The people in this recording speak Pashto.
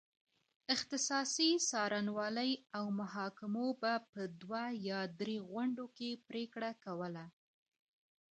اختصاصي څارنوالۍ او محاکمو به په دوه یا درې غونډو کې پرېکړه کوله.